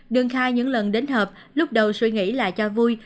đương khai những lần đến hợp lúc đầu suy nghĩ là cho vui